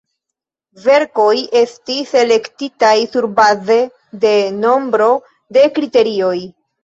Verkoj estis elektitaj surbaze de nombro de kriterioj.